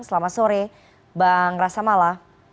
selamat sore bang rasamala